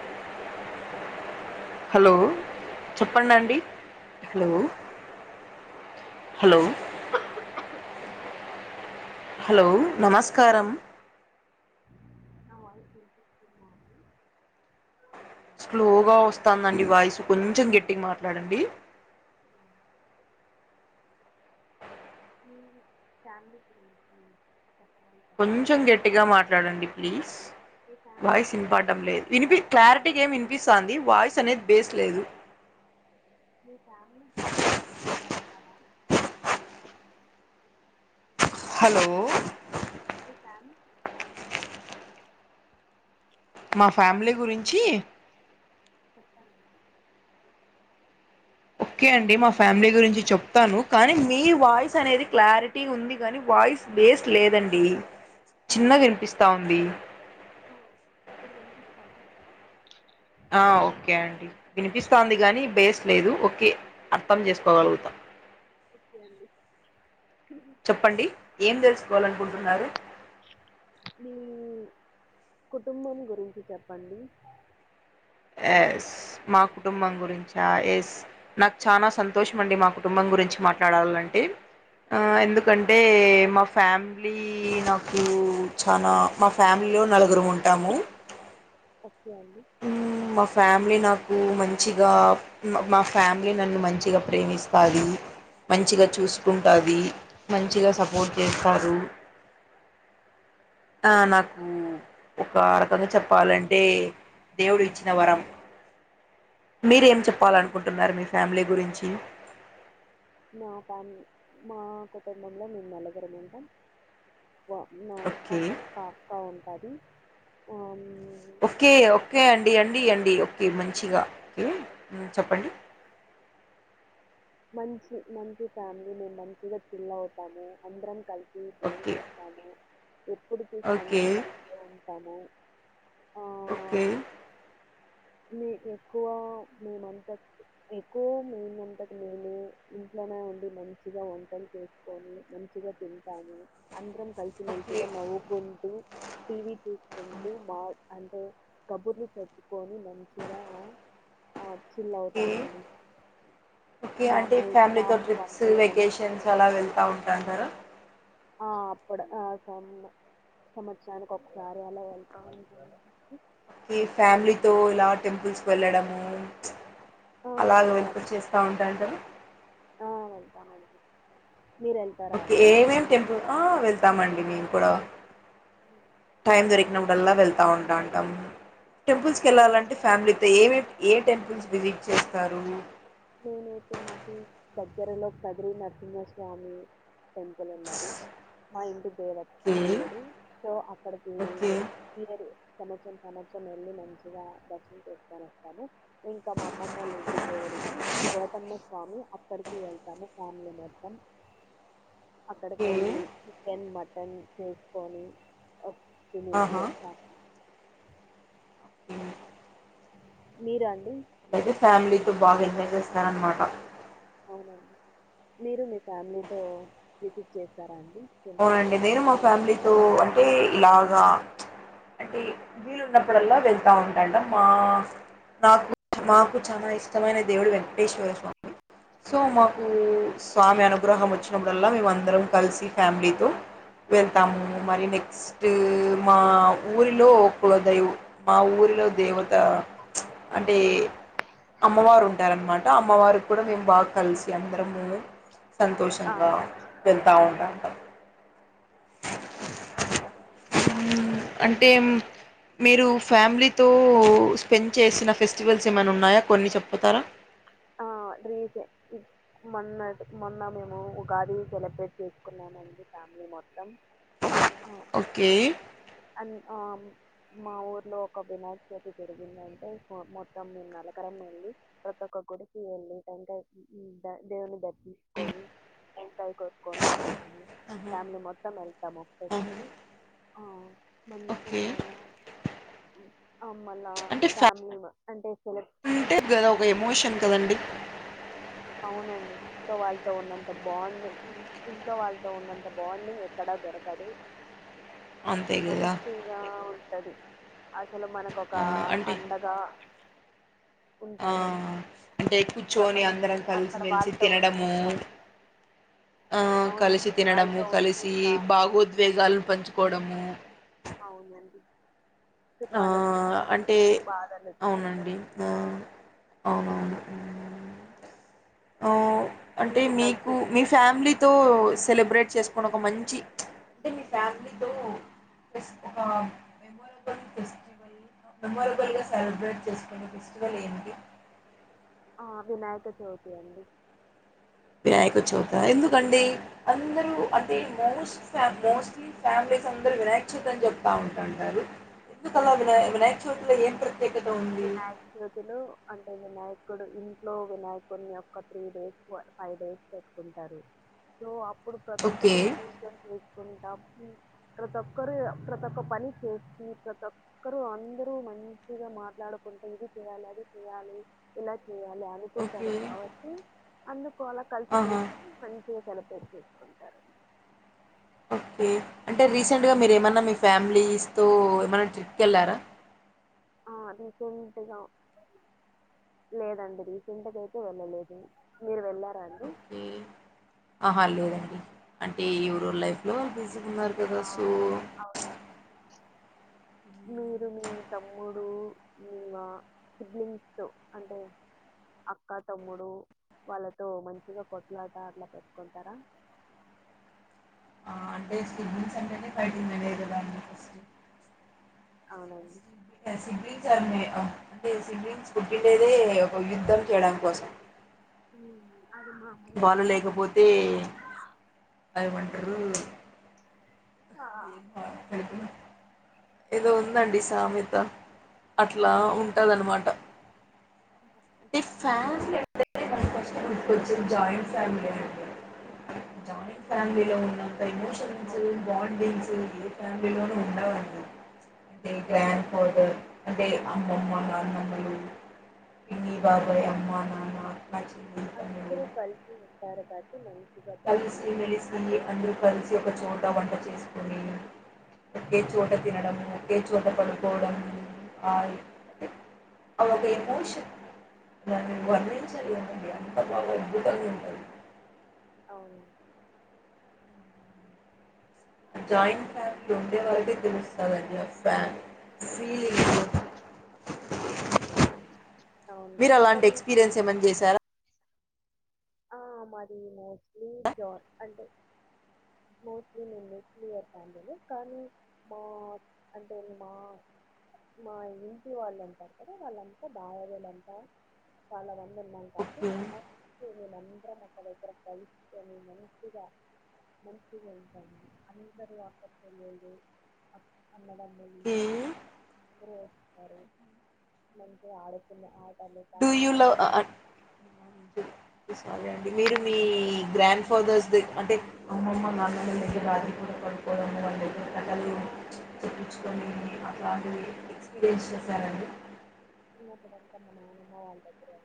Samosa hello చెప్పండండి hello hello hello hello నమస్కారం నా వాయిస్ వినిపిస్తుందా ఆండి స్లోగా ఓస్తాందండి వాయిసు కొంచెం గట్టిగ మాట్లాడండి అ మ్ ఫ్యామిలీ [inaudible] కొంచెం గట్టిగా మాట్లాడండి ప్లీస్ వాయిస్ ఇన్పాడం లేదు వినిపి క్లారిటీగెం వినిపిస్తంది వాయిస్ అనేది బేస్ లేదు మీ ఫ్యామిలీ గురించి చెప్పగలుతారా [inaudible] హలో [inaudible] మా ఫ్యామిలీ గురించీ చెప్పండి ఒక్కె అండి మా ఫ్యామిలీ గురించి చెప్తాను కానీ మీ వాయిస్ అనేది క్లారిటీ ఉంది కాని వ వాయిస్ బేస్ లేదండి చిన్నగినిపిస్తా ఉంది ఆ ఒక్కే అండి వినిపిస్తా ఉంది కానీ బేస్ లేదు ఓకే అర్థం చేసుకోగలుగుతా ఒకే అండి చెప్పండి ఏం తెలుస్కోవాలనుకుంటున్నారు మీ కుటుంబం గురించి చెప్పండి ఎస్ నాక్ చానా సంతోషం అండి మా కుటుంబం గురించి మాట్లాడాలంటే ఆ ఎందుకంటే మా ఫ్యామిలీ నాకు చానా మా ఫ్యామి లో నలుగురం ఉంటాము మా ఫ్యామిలీ నాకు మంచిగా మా ఫ్యామిలీ నన్ను మంచిగా ప్రేమిస్తాది మంచిగా చూస్కుంటాది మంచిగా సపోర్ట్ చేస్తారు ఆ నాకు ఒక రకంగ చెప్పాలంటే దేవుడు ఇచ్చిన వరం మీరేం చెప్పాలనుకుంటున్నారు మీ ఫ్యామిలీ గురించి మా ఫ్యామి మా కుటుంబంలో మేం నలుగురం ఉంటాం వ నా ఓకే ఒక ఒక అక్క ఉంటాది ఓకే ఓకే అండి అండి అండి ఒకే మంచిగా ఒకే మ్ చెప్పండి మంచి మంచి ఫ్యామిలీ మేం మంచిగా చిల్ అవుతాము అందరం కలి సి ఓకే బొంచేస్తాము ఎప్పుడు చూసిన ఓకే అందరం కలిసే ఉంటాము. ఓకే. మీ ఎక్కువ మేమంతకు ఎక్కువ మేమంతక్. నేను. ఇంట్లోనే ఉండి మంచిగా వంటలు చేసుకొని మంచిగా తింటాము అందరం ఓకే కలిసిమెలిసిగా నవ్వుకుంటూ టీవీ చూసుకుంటూ మా అంటే కబుర్లు చెప్పుకొని మంచిగా ఆ చిల్వ్ ఓకే తామండి అంటే ఫ్యామిలీతో ట్రిప్స్ మంచిగా వెకేషన్స్ అలా వెళ్తా ఉంటాం కదా. ఆహ్ అప్పుడు ఆహ్ సమ్. సంవత్సరానికి ఒకసారి అలా వెళ్తామండి. ఈ ఫ్యామిలీ తో ఇలా టెంపుల్స్ కి వెళ్ళడం. ఉమ్ ప్చ్ ఆ అలాగ వినిపిచ్చేస్తా ఉంటాంటరు. ఆహ్ వెళ్తామండి. మీరు వెళ్తారా అండి ఆహ్ వెళ్తామండి మేము కూడా. టైం దొరికినప్పుడాల్ల వెళ్తా ఉంటాంటం. టెంపుల్స్కి వెళ్ళాలంటే ఫ్యామిలీతో ఏవేవి ఏ టెంపుల్స్ విజిట్ చేస్తారు. నేనైతే మాకు దగ్గరలో కదిరి నరసింహస్వామి. టెంపుల్ ఉన్నది మా ఇంటి. దేవత ఓకే దేవుడు సో అక్కడికి ఓకే వీలేరు. సంవత్సరం సంవత్సరం వెళ్ళి మంచిగా దర్శనం చేసుకొని వస్తాము ఇంకా మా అమ్మమ్మలు ఊరికి. కోటన్న స్వామి అక్కడికి వెళ్తాను ఫ్యామిలీ మొత్తం. అక్కడికి ఓకే వెళ్ళి చికెన్ మటన్ చేసుకొని. తినేసి ఆహా వస్తాం. ఓకే. మీరండి. అయితే ఫ్యామిలీతో బాగా ఎంజాయ్ చేస్తారనమాట. అవునండి మీరు మీ ఫ్యామిలీతో విసిట్ చేస్తారా అండి. హ అండి టెంపుల్స్కి నేను మా ఫ్యామిలీతో అంటే ఇలాగా. అంటే వీలు ఉన్నప్పుడల్లా వెళ్తా ఉంటండా మా. నాకు మాకు చాలా ఇష్టమైన దేవుడు వెంకటేశ్వర స్వామి. సో మాకు స్వామి అనుగ్రహం వచ్చినప్పుడల్లా మేమ అందరం కలిసి ఫ్యామిలీతో. వెళ్తాము మరియు నెక్స్ట్. మా ఊరిలో కుల దైవం మా ఊరిలో దేవత ప్చ్. అంటే అమ్మవారు ఉంటారనమాట అమ్మవారూ కూడా మేము. బాగా కలిసి అందరము సంతోషంగా వెళ్తా ఉంటాంటం. ఉమ్ అంటే. మీరు ఫ్యామిలీతో స్పెండ్ చేసిన ఫెస్టివల్స్ ఏమైనా ఉన్నాయా కొన్ని చెప్పుతారా. ఆహ్. రీసె మొన్న ట్ మొన్న మేము ఉగాది సెలబ్రేట్ చేసుకున్నామండి ఫ్యామిలీ. మొత్తం ఆహ్ ఓకే అండ్ ఆహ్. మా ఊర్లో ఒక వినాయ చవితి జరిగిందంటే మొత్తం మేము నలకరం వెళ్ళి ప్రతి ఒక్కరూ. గుడికి వెళ్లి టెంకాయ ఉమ్ దేవుని దర్శించుకొని. టెంకాయ కోట్కొని వస్తాము ఆహా, ఫ్యామిలీ మొత్తం వెళ్తాము ఆహా. ఒకేసారి. ఆహ్ మంచ్ ఓకే ఆహ్. ఆహ్ మళ్ళా అంటే ఫ్యా ఫ్యామిలీ మా అంటే సెలెక్ట్. అంటే గదా ఒక ఎమోషన్ కదండి. అవునండి ఇంట్లో వాళ్లాతో ఉన్నంత బాండ్ ఇంట్లో వాళ్లాతో ఉన్నంత బాండింగ్ ఎక్కడ దో. దొరకదు అంతే గదా! మంచిగా ఉంటది. అసలు మనకు ఒక ఆ! అండగా. ఉంటారు. ఆహ్ అంటే కూర్చోని ప్రపంచం అందరం అక్కడ కలిసిమెలిసి వాళ్ళతో ఉంటే తినడము. చాలు. ఆహ్ కలిసి అవునండి. తినడము వాళ్ళతో ఉంటే కలిసి చాలు. భాగోద్వేగాలు పంచుకోవడము. అవునండి సుఖాల్ ఆ అంటే అవునండి ఆ అవునవును ఉహూ అంటే నేను మీకు మీ కజిన్ ఫ్యామిలీతో సెలబ్రేట్ చేసుకొనే ఒక మంచి. అంటే మీ ఫ్యామిలీతో చేసుకున్న ప్చ్. కొన్ని ఫెస్టివల్ మెమొరబుల్ గా సెలబ్రేట్ చేసుకునే ఫెస్టివల్ ఏంటి. ఆ వినాయక చవితి అండి అందరు అదే మొస్ట్ ఫామ్ మొస్ట్లీ ఫ్యామిలీస్ అందరు వినాయక చవితి అని చెప్తా ఉంట్రంట ఎందుకలా వినయ వినాయక చవితి లో ఎం ప్ర వినాయక్ చవితిలు అంటే వినాయకుడు ఇంట్లో వినాయకున్ని ఒక త్రీ డేస్ ఫైవ్ డేస్ పెట్టుకుంటారు సో అప్ ఇప్పుడు ప్రతి ఓకే ఒక్కటి పూజల్ చెస్ కుంటాం ప్రతి ఒక్కరు ప్రతి ఒక్క పని చేస్తూ ప్రతి ఒక్కరు అందరు మంచిగా మాట్ మాట్లాడుకుంటే ఇది చెయాలి అది చెయ్యాలి ఇలా చేయ్యాలి ఓకే అనుకుంటారు కాబట్టి అందుకు అలా కలిసి ఆహా కలిసి మంచిగా సెలబ్రేట్ చేసుకుంటారండి ఓకే అంటే రీసెంట్ గా మీరు ఏమన్నా మీ ఫ్యామిలీస్ తో ఏమైన్నా ట్రిప్ కెల్లరా ఆ రీసెంట్ గా లేదండి రీసెంట్ గా అయితే వెళ్ళలేదు మీరు వెళ్లరా అండి మ్ ఆహా లేదండి అంటే ఎవరు లైఫ్ లో బి మరి ఆ, బ్రదర్సు అవును మీరు మీ తమ్ముడు మా సిబలింగ్స్ తో అంటే అక్కా తమ్ముడు వాళ్ళతో మంచిగా కొట్లాట అట్లా పెట్టుకుంటారా ఆ! అంటే ససిబ్లింగ్స్ అంటేనే ఫైటింగ్ [inaudible] కదా అవునండి సిబ్లి సిబ్లింగ్స్ అండి అంటే సిబ్లింగ్స్ పుటిండేదే ఓక యుద్ధం చేయడం కోసం మ్ వాళ్లు లేకపోతే అదేమాంటరూ [inaudible] ఏదో ఉందండి సామెత అట్లా ఉంటదాన్నమాట మీ [inaudible] జాయింట్ ఫ్యామిలీ అండి జాయింట్ ఫ్యామిలీలో ఉన్నంత ఎమోషన్స్ బాండింగ్స్ ఫ్యామిలీ లోను ఉండవండి అంటే అవును గ్రాడ్ ఫాదర్ బాగుంది అంటే అం అమ్మమ్మ నానమ్మలు పిన్ని బాబాయ్ అమ్మా నాన్న మంచి అందరు కలిసి ఉంటారు కట్టి మం కలిసి మెలిసి అందరూ కలిసి ఒక చోట వంట చేసుకొని ఒకే చోట తినడము ఒకే చోట పడుకోవడం ఆ అవొక ఎమొషన్ దాన్ని వార్ణించలేనిది అంత బాగ అద్భుతంగా ఉంటది అవునా జాయింట్ ఫ్యామిలీ ఉండేవాళ్లకే తెలుసదండీ ఆ ఫామ్ అవును మీరు అలాంటి కానీ ఎక్స్పీరియన్స్ ఏమన్నా చేసారా ఆ మాది మొస్ట్లీ జా అంటే మొస్ట్లీ నేన్ న్యూక్లియర్ ఫ్యామిలిని కానీ మా అంటే మా మా ఇంటి వాల్ అంటర్ కదా వాళ్ళంతా బావలే నంట చాలా మంది ఉనం కావటి ఓకే మోస్ట్ సి మేం అందరం ఒకదగ్గర కలుస్కొని మంచిగా మంచిగుంటాం అందరు అక్క చెల్లెలు అక్ అన్నదమ్ములు అందరూ వస్తారు మంచి ఆడుకున్న ఆటలు డూ యూ పాటలు లవ్ ఆ ఆ సారీ అండి మీరు మీ గ్రాండ్ ఫాదర్స్ ద అంటే అమ్మమ్మ నాన్నమ్మ ల దగ్గర అది కూడ బా ప్రగలు చెప్పించుకొని అట్లాంటివి ఎక్స్పీరియన్స్ చేశారండి చిన్నపుడు అత్తమ్మను మ బావలు దేగరె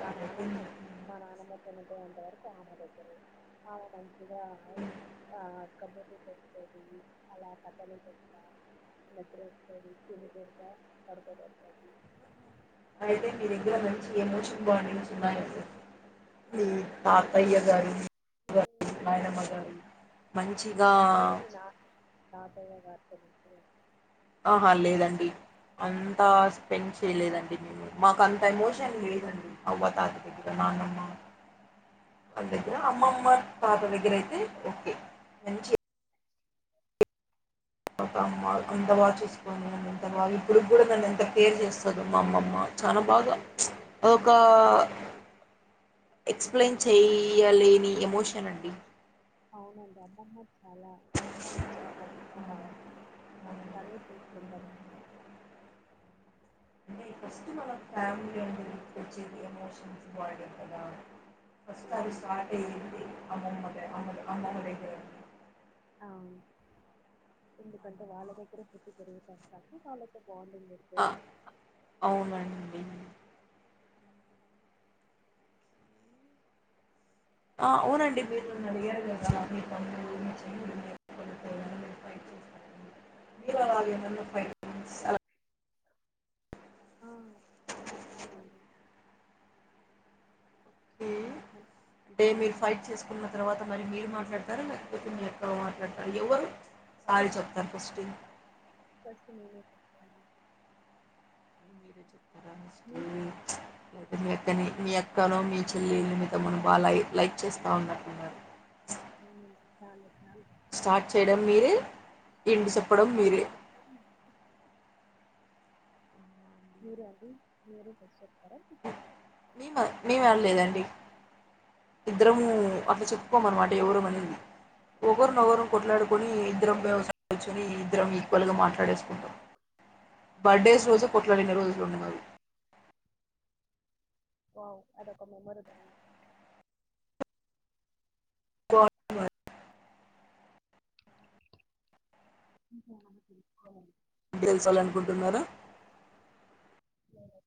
మా నానమ్మో మా నానమ్మ చనిపోయేంత వరకు అమ్మ దగ్గరే ఆమె మంచిగా ఆ కబుర్లు చెప్తది అలా కట్టలు పెట్ట నిద్ర వస్తది చి కొడతా పడుకోబెడతాది అయితే మీ దగ్గర మంచి ఎమోషన్ బాండింగ్స్ ఉన్నాయి మీ అవును తాతయ్య గారి గ మీ- నాయనమ్మ గారి మంచిగా తాతయ్యగ ఆహా లేదండి అంతా స్పెండ్ చేయలేదండి మేము మాకు అంత ఎమోషన్ లేదండి అవ్వ తాతదగ్గర నానమ్మ వాళ దగ్గర అమ్మమ్మ తాత దగ్గర అయితే ఓకే మంచి ఒక అమ్మ అంత బాగా చూసుకోని నన్ను ఎంత బాగా ఇప్పుడుకి కూడా నన్ను ఎంత కేర్ చేస్తదో మా అమ్మమ్మ చాలా బాగా ఒక ఎక్సప్లయిన్ చేయలేని ఎమోషన్ అండి అవునండి అమ్మమ్మ చాలా అమ్మ తర్వాత అమ్ కాబట్టి తనే చూసుకుంటాదంత అంటే ఫస్ట్ మనక ఫ్యామిలీ అంటే గుర్తొచ్చేది ఎమోషన్స్ బాండింగ్ కదా ఫస్ట్ అది అవును స్టార్ట్ అయింది అమ్మమ్ అమ్ అమ్మమ్మ దెగర ఆ ఎందుకంటే వాళ్ళ దగ్గరె పుట్టి పెరుగుతాం కాబట్టి వాళ్ళ దగ్గర ఆ అవునండి ఆ అవునండి మీరు నన్ను అడిగారు కదా మీ తమ్ముడు మీ చెల్లి [unintelligible] మీరేమన్నా ఫైటింగ్స్ ఆలా ఆ చేస్తానండి ఓకే అంటే మీరు ఫైట్ చేసుకున్న తర్వాత మరి మీరు మాట్లాడతార లె లేదా మీ అక్క మాట్లాడతార ఎవరు సారీ చెప్తారు ఫస్ట్ మీరె చెప్తారా ఫస్ట్ లేదా మీ అక్క కానీ మీ అక్కనో మీ చెల్లి మోతమను బా లైక్ లైక్ చేస్తా ఉన్నట్లున్నారు అవును చాలు స్టార్ట్ చేయడం మీరే ఎండ్ చెప్పడం మీరే మీరు అది మీరే ఫస్ట్ చెప్తారా మేమ మేము ఆన్లేదండి ఇద్దరము అట్లా చెప్పుకోము అన్నమాట ఎవరమనింది ఒకరినవరు కొట్లాడుకొని ఇద్దరం ఒకచోట కూర్చుని ఇద్దరం ఈక్వల్ గా మాట్లాడేసుకుంటాం బర్త్డేస్ రోజు పొట్లాడిన్ని రోజులునై మవి వావ్ అదొక మెమొరబుల్ తోత్నర్ [unintelligible] గెల్చాలనుకుంటున్నారా లేదు